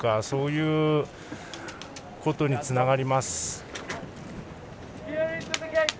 そういうことにつながります。